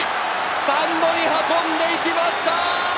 スタンドに運んでいきました！